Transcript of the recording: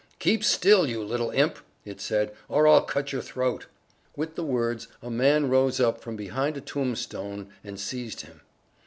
"Keep still, you little imp!" it said, "or I'll cut your throat!" With the words a man rose up from behind a tombstone and seized him.